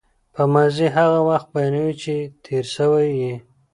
ماضي هغه وخت بیانوي، چي تېر سوی يي.